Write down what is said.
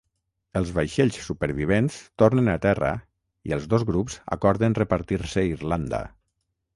Els vaixells supervivents tornen a terra i els dos grups acorden repartir-se Irlanda.